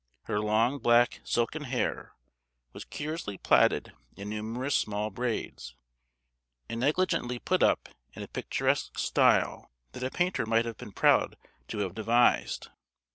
Her long black silken hair was curiously plaited in numerous small braids, and negligently put up in a picturesque style that a painter might have been proud to have devised.